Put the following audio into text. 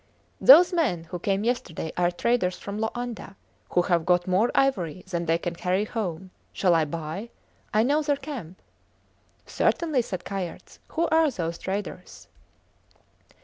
Those men who came yesterday are traders from Loanda who have got more ivory than they can carry home. Shall I buy? I know their camp. Certainly, said Kayerts. What are those traders?